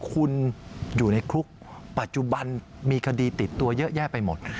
คุณอยู่ในคุกปัจจุบันมีคดีติดตัวเยอะแยะไปหมด